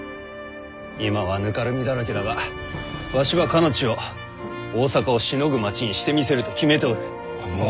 今はぬかるみだらけだがわしはかの地を大坂をしのぐ街にしてみせると決めておる。